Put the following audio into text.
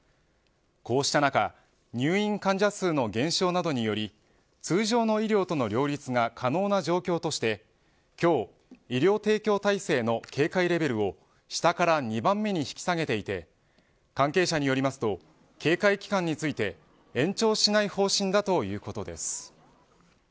こうした中入院患者数の減少などにより通常の医療との両立が可能な状況として今日、医療提供体制の警戒レベルを下から２番目に引き下げていて関係者によりますと警戒期間について延長しない方針だということです。